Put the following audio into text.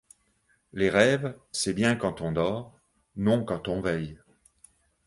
Les rêves, c’est bien quand on dort, non quand on veille.